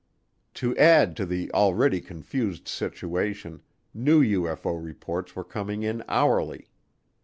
To add to the already confused situation, new UFO reports were coming in hourly.